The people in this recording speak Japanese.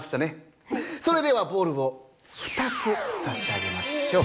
それではボールを２つさし上げましょう。